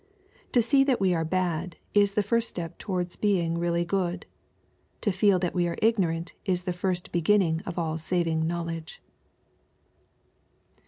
To see that we are bad, is the first step towards being really good. To feel that we are ignorant is the first beginning of all saving knowledge.